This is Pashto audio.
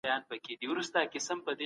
الله کولای سي خپل حق وبخښي.